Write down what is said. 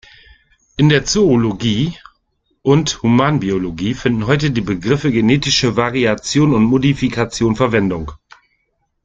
In der Zoologie und Humanbiologie finden heute die Begriffe genetische Variation und Modifikation Verwendung.